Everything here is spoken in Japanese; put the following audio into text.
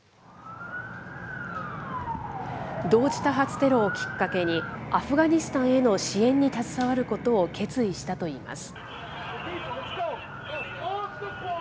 同時多発テロをきっかけに、アフガニスタンへの支援に携わることを決意したといいます。